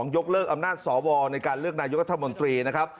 ยกเลิกอำนาจสวในการเลือกนายกรัฐมนตรีนะครับ